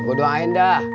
gua doain dah